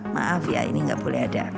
maaf ya ini nggak boleh ada